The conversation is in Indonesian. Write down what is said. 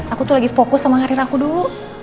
aku tuh lagi fokus sama karir aku dulu